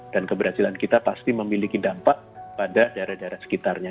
dan keberhasilan kita pasti memiliki dampak pada daerah daerah sekitarnya